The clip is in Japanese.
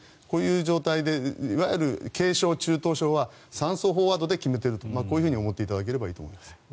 こういう状態でいわゆる軽症、中等症は酸素飽和度で決めているとこういうふうに思っていただければいいと思います。